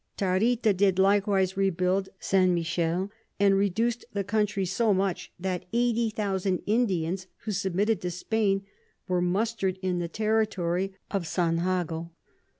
Tarita did likewise rebuild St. Michel, and reduc'd the Country so much, that 80000 Indians who submitted to Spain were muster'd in the Territory of St. Jago.